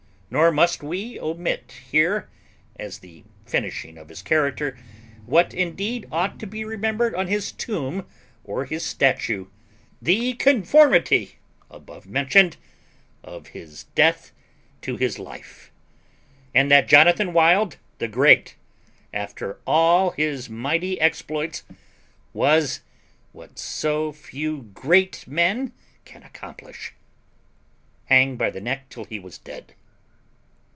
Nor must we omit here, as the finishing of his character, what indeed ought to be remembered on his tomb or his statue, the conformity above mentioned of his death to his life; and that Jonathan Wild the Great, after all his mighty exploits, was, what so few GREAT men can accomplish hanged by the neck till he was dead.